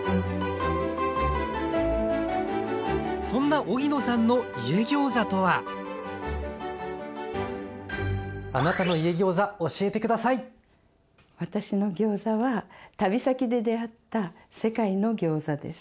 そんな荻野さんの「家ギョーザ」とは私のギョーザは旅先で出会った世界のギョーザです。